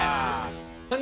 何？